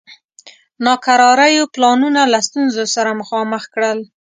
ناکراریو پلانونه له ستونزو سره مخامخ کړل.